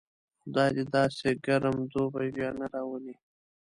خدای دې داسې ګرم دوبی بیا نه راولي.